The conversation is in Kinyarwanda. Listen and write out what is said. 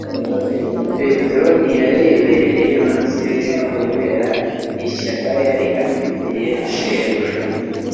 Petero ntiyarebereye : maze kubera ishyaka yari afitiye Shebuja,